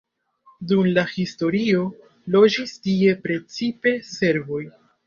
Dum la historio loĝis tie precipe serboj.